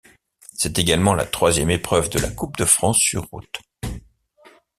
C'est également la troisième épreuve de la Coupe de France sur route.